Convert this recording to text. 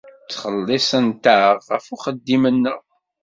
Ttxelliṣent-aɣ ɣef uxeddim-nneɣ.